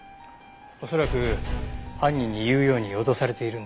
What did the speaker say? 恐らく犯人に言うように脅されているんでしょう。